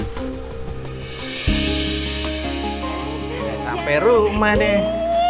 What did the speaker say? udah sampai rumah deh